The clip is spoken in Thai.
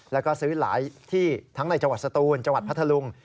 แล้วก็ซื้อหลายที่ทั้งในจังหวัดสตูนจังหวัดพัทธลุง